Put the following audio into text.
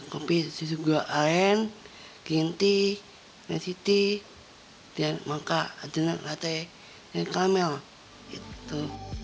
kopi susu gua aren gin tea nasi tea dan maka ada latte dan kamel gitu